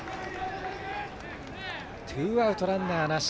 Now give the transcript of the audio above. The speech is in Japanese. ツーアウト、ランナーなし。